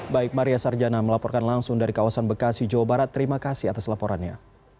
baik maria sarjana melaporkan langsung dari kawasan bekasi jawa barat terima kasih atas laporannya